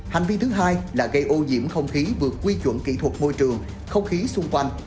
hành vi thứ hai là gây ô nhiễm không khí vượt quy chuẩn kỹ thuật môi trường không khí xung quanh